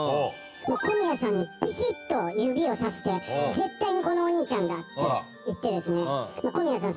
「小宮さんにビシッと指をさして“絶対にこのお兄ちゃんだ”って言ってですね小宮さん